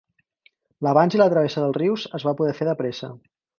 L'avanç i la travessa dels rius es va poder fer de pressa.